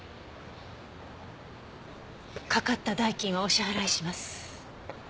かかった代金はお支払いします。